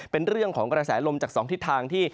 เป็นเรื่องของกระแสลมจาก๒ทิศทางที่